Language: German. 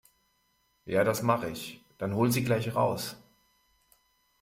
Ja, das mache ich. Dann hol sie gleich raus.